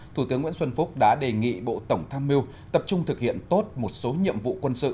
thủ tướng nguyễn xuân phúc đã đề nghị bộ tổng tham mưu tập trung thực hiện tốt một số nhiệm vụ quân sự